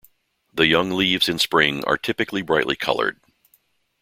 The young leaves in spring are typically brightly coloured.